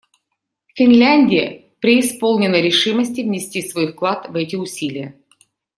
Финляндия преисполнена решимости внести свой вклад в эти усилия.